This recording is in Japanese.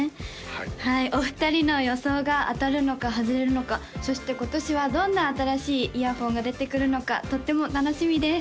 はいお二人の予想が当たるのか外れるのかそして今年はどんな新しいイヤホンが出てくるのかとっても楽しみです